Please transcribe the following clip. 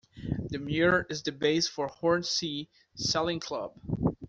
The mere is the base for Hornsea Sailing Club.